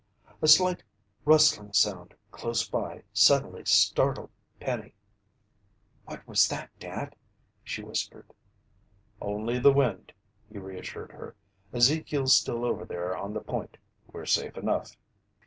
A slight rustling sound close by suddenly startled Penny. "What was that, Dad?" she whispered. "Only the wind," he reassured her. "Ezekiel's still over there on the point. We're safe enough."